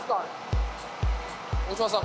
⁉大島さん